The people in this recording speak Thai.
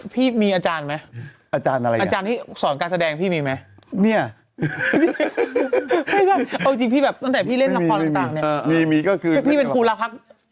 พี่มีก็คือพี่เป็นผู้รักษารักษาหรอคะ